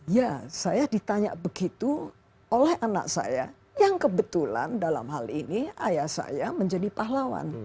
ya saya ditanya begitu oleh anak saya yang kebetulan dalam hal ini ayah saya menjadi pahlawan